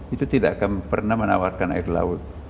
itu tidak akan pernah menawarkan air laut